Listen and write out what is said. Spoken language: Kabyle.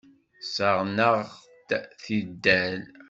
Ssaɣen-aɣ-d tidal.